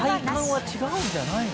体感は違うんじゃないの？